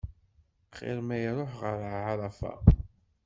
Xir ma iruḥ ɣer ɛarafa.